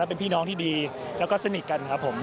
เป็นพี่น้องที่ดีแล้วก็สนิทกันครับผม